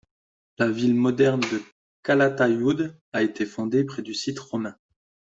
La ville moderne de Calatayud a été fondée près du site romain.